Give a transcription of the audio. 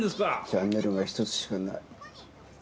チャンネルがひとつしかない。